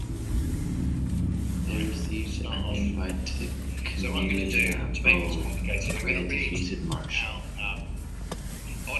They received an invite to the Camelia Bowl where they defeated Marshall.